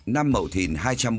năm mậu thìn hai trăm bốn mươi tám